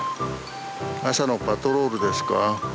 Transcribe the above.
朝のパトロールですか？